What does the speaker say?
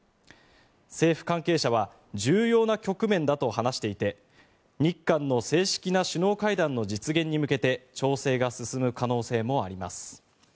政府関係者は重要な局面だと話していて日韓の正式な首脳会談の実現に向けて調整が進む可能性もあります。